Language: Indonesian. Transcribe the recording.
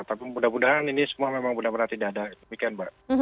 tapi mudah mudahan ini semua memang benar benar tidak ada demikian mbak